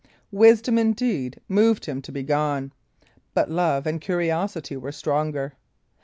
Wisdom, indeed, moved him to be gone; but love and curiosity were stronger.